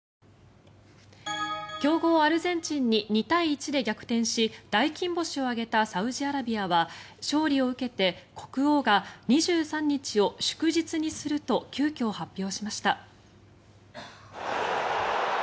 強豪アルゼンチンに２対１で逆転し大金星を挙げたサウジアラビアは勝利を受けて国王が２３日を祝日にすると急きょ、発表しました。